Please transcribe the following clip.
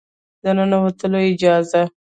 د ننوتلو اجازه